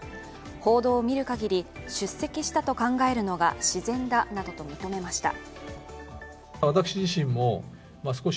報道を見るかぎり出席したと考えるのが自然だなどと認めました。